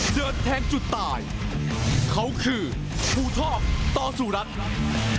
เดินแทงจุดตายเขาคือผู้ทอบตสุรัตน์